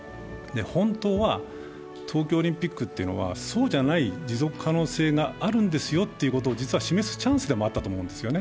本当は東京オリンピックというのは、そうじゃない、持続可能性があるんですよということを実は示すチャンスであったと思うんですね。